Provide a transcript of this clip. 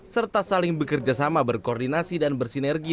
serta saling bekerjasama berkoordinasi dan bersinergi